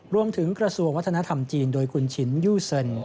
กระทรวงวัฒนธรรมจีนโดยคุณชินยู่เซิน